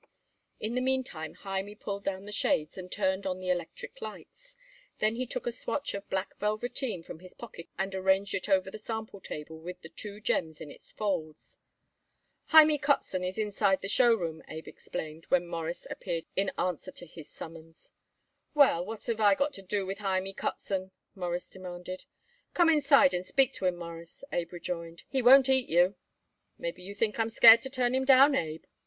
In the meantime Hymie pulled down the shades and turned on the electric lights. Then he took a swatch of black velveteen from his pocket and arranged it over the sample table with the two gems in its folds. "Hymie Kotzen is inside the show room," Abe explained when Morris appeared in answer to his summons. "Well, what have I got to do with Hymie Kotzen?" Morris demanded. "Come inside and speak to him, Mawruss," Abe rejoined. "He won't eat you." "Maybe you think I'm scared to turn him down, Abe?"